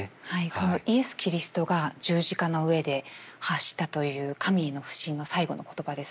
そのイエス・キリストが十字架の上で発したという神への不信の最期の言葉ですね。